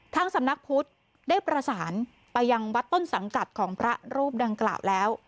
สำนักพุทธได้ประสานไปยังวัดต้นสังกัดของพระรูปดังกล่าวแล้ว